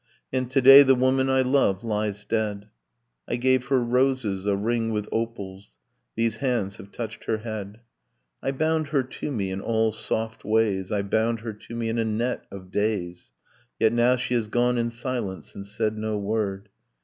And to day the woman I love lies dead. I gave her roses, a ring with opals; These hands have touched her head. 'I bound her to me in all soft ways, I bound her to me in a net of days, Yet now she has gone in silence and said no word.